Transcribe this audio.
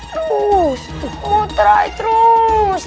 terus muterai terus